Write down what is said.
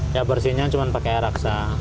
ya bersihnya cuma pakai raksa